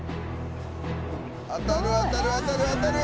当たる当たる当たる当たる！